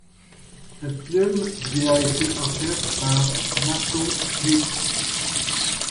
Cette plume lui a été offerte par Mato Gi.